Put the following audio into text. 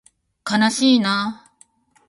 かなしいな